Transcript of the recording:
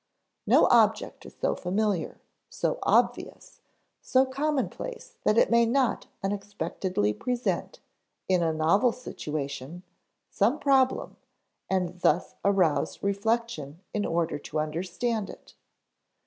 No object is so familiar, so obvious, so commonplace that it may not unexpectedly present, in a novel situation, some problem, and thus arouse reflection in order to understand it.